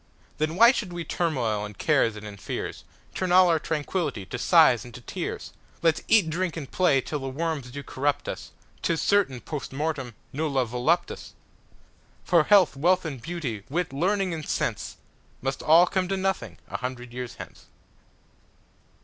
Then why should we turmoil in cares and in fears, Turn all our tranquill'ty to sighs and to tears? Let's eat, drink, and play till the worms do corrupt us,'Tis certain, Post mortemNulla voluptas. For health, wealth and beauty, wit, learning and sense, Must all come to nothing a hundred years hence.